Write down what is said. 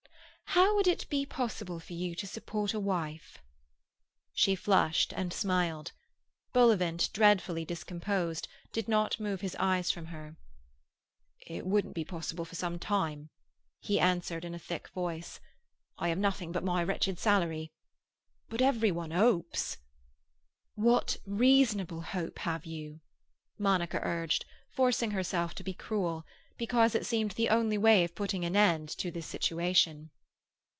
"How would it be possible for you to support a wife?" She flushed and smiled. Bullivant, dreadfully discomposed, did not move his eyes from her. "It wouldn't be possible for some time," he answered in a thick voice. "I have nothing but my wretched salary. But every one hopes." "What reasonable hope have you?" Monica urged, forcing herself to be cruel, because it seemed the only way of putting an end to this situation.